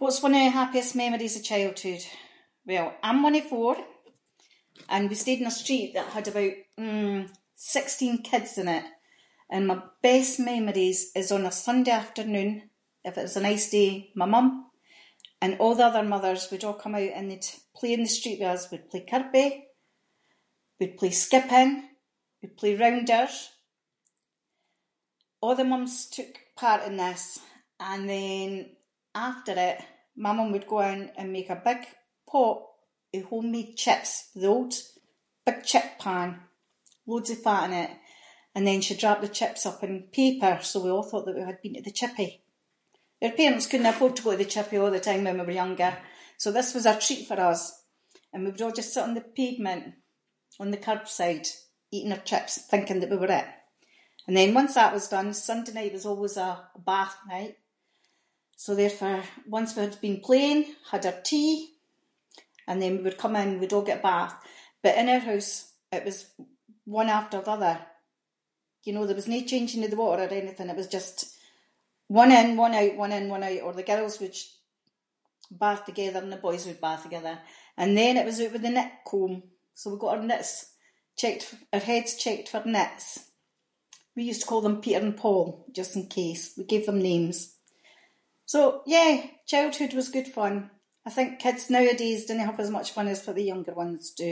What’s one of the happiest memories of childhood? Well, I’m one of four, and we stayed in a street that had about, hmm, sixteen kids in it, and my best memories is on a Sunday afternoon, if it was a nice day, my mum and a’ the other mothers would a’ come out and they’d play in the street with us, we’d play curbie, we’d play skipping, we’d play rounders, a’ the mums took part in this, and then after it, my mum would go in and make a big pot of homemade chips, the old big chip pan, loads of fat in it, and then she’d wrap the chips up in paper, so we all thought that we had been to the chippie. Our parents couldn’t afford to go to the chippie a’ the time when we were younger, so this was a treat for a’ of us. And we would all just sit on the pavement, on the curbside, eating our chips, thinking that we were it. And then once that was done, Sunday night was always a bath night, so therefore, once we had been playing, had our tea, and then we would come in, we’d all get a bath, but in our house it was one after the other, you know there was no changing of the water or anything, it was just one in, one out, one in, one out, or the girls would sh- bath the-gither, and the boys would bath the-gither, and then it was oot with the nit comb, so we got our nits checked- our heads checked for nits, we used to call them Peter and Paul, just in case, we gave them names. So, yeah, childhood was good fun, I think kids nowadays didnae have as much fun as what the younger ones do.